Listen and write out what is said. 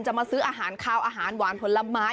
มาซื้ออาหารคาวอาหารหวานผลไม้